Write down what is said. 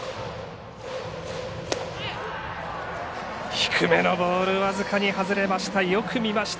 低めのボール、僅かに外れました